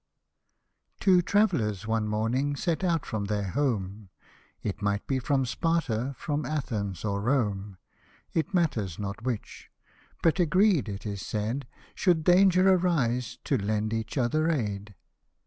Two trav'llers one morning set out from their home, It might be from Sparta, from Athens, or Rome ; It matters not which, but agreed, it is said, Should .danger arise, to lend each other aid.